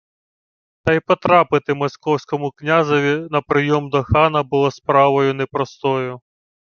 Та й потрапити московському князеві на прийом до хана було справою непростою